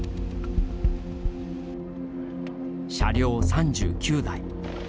車両３９台。